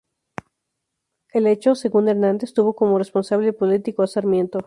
El hecho, según Hernández, tuvo como responsable político a Sarmiento.